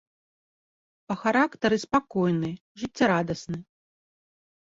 Па характары спакойны, жыццярадасны.